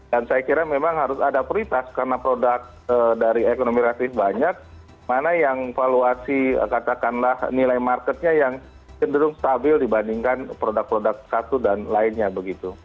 dan saya kira memang harus ada peritas karena produk dari ekonomi kreatif banyak mana yang valuasi katakanlah nilai marketnya yang cenderung stabil dibandingkan produk produk satu dan lainnya begitu